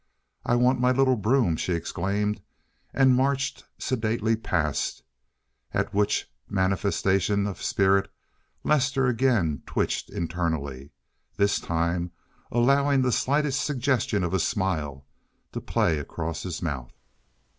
"I want my little broom," she exclaimed and marched sedately past, at which manifestation of spirit Lester again twitched internally, this time allowing the slightest suggestion of a smile to play across his mouth.